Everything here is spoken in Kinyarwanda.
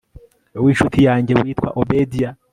winshuti yanjye witwa obedia